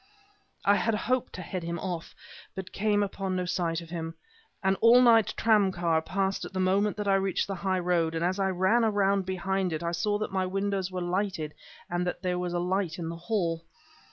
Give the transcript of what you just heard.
I had hoped to head him off, but came upon no sign of him. An all night tramcar passed at the moment that I reached the high road, and as I ran around behind it I saw that my windows were lighted and that there was a light in the hall.